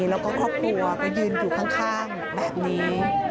แล้วก็ครอบครัวก็ยืนอยู่ข้างแบบนี้